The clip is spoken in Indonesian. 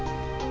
gak ada apa apa